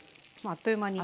あっという間に。